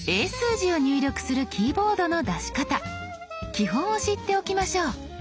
基本を知っておきましょう。